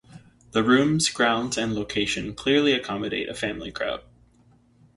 The rooms, grounds and location clearly accommodate a family crowd.